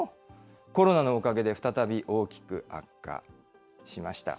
コロナのおかげで再び大きく悪化しました。